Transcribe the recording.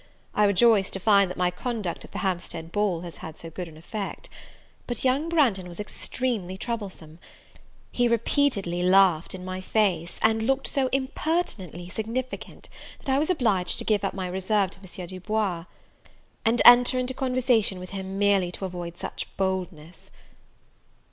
I rejoice to find that my conduct at the Hampstead ball has had so good an effect. But young Branghton was extremely troublesome; he repeatedly laughed in my face, and looked so impertinently significant, that I was obliged to give up my reserve to M. Du Bois, and enter into conversation with him merely to avoid such boldness.